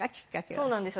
そうなんですよ。